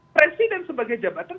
presiden sebagai jabatan